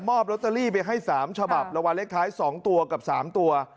ลอตเตอรี่ไปให้๓ฉบับรางวัลเลขท้าย๒ตัวกับ๓ตัว